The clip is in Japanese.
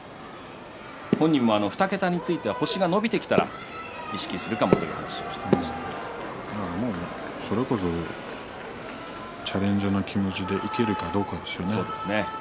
２桁については星が伸びてきたら意識するかもそれこそチャレンジャーの気持ちでいけるかどうかですね。